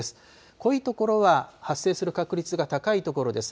濃い所は発生する確率が高い所です。